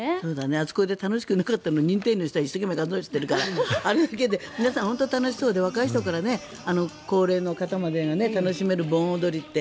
あそこで楽しくなかったら認定員の人が数えているからあれだけで皆さん、本当に楽しそうで若い人から高齢者まで楽しめる盆踊りって